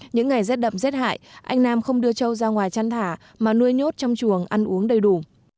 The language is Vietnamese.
những ngày rét đậm rét hại anh nam không đưa trâu ra ngoài chăn thả mà nuôi nhốt trong chuồng ăn uống đầy đủ